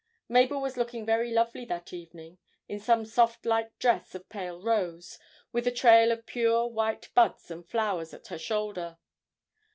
Mabel was looking very lovely that evening, in some soft light dress of pale rose, with a trail of pure white buds and flowers at her shoulder.